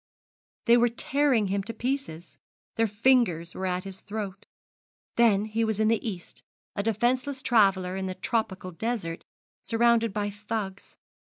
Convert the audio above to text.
They were tearing him to pieces, their fingers were at his throat. Then he was in the East, a defenceless traveller in the tropical desert, surrounded by Thugs.